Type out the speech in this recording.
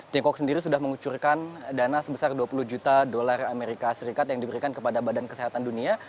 tiongkok sendiri sudah mengucurkan dana sebesar dua puluh juta dolar amerika serikat yang diberikan kepada badan kesehatan dunia